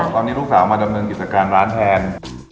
ตอนนี้ลูกสาวมาดำเนินกิจการร้านแทน